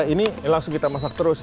ini langsung kita masak terus